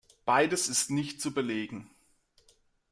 Beides ist nicht zu belegen.